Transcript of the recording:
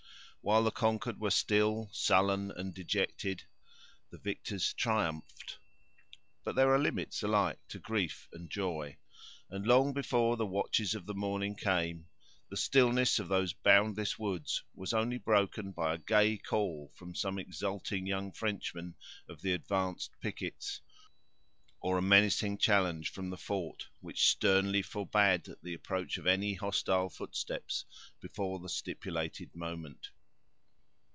While the conquered were still, sullen, and dejected, the victors triumphed. But there are limits alike to grief and joy; and long before the watches of the morning came the stillness of those boundless woods was only broken by a gay call from some exulting young Frenchman of the advanced pickets, or a menacing challenge from the fort, which sternly forbade the approach of any hostile footsteps before the stipulated moment.